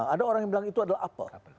ada orang yang bilang itu adalah apel